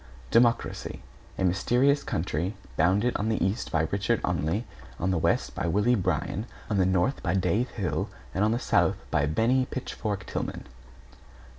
=DEMOCRACY= A mysterious country, bounded on the east by Richard Olney, on the west by Willie Bryan, on the north by Dave Hill and on the south by Bennie Pitchfork Tillman.